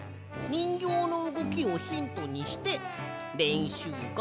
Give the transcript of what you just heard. にんぎょうのうごきをヒントにしてれんしゅうがんばってね。